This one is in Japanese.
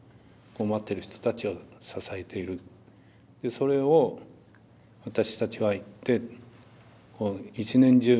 それを私たちは行って一年中